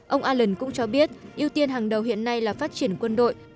ông al cũng cho biết ưu tiên hàng đầu hiện nay là phát triển quân đội